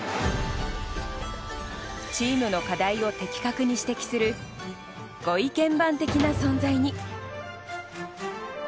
チームの課題を的確に指摘するご意見番的な存在に。